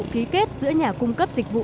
ký kết giữa nhà cung cấp dịch vụ